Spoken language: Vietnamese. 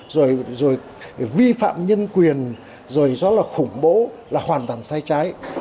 rồi vi phạm nhân quyền rồi gió là khủng bố là hoàn toàn sai trái